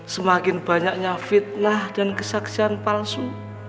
semakin banyaknya fitnah dan kesaksian palsu